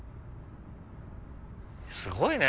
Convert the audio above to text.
すごいね！